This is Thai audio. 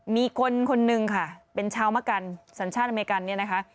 มีคนคนนึงค่ะเป็นชาวมะกันสัญชาติอเมริกันเนี่ยนะคะ